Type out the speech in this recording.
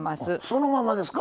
そのままですか？